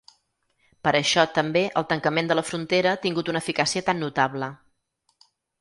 Per això, també, el tancament de la frontera ha tingut una eficàcia tan notable.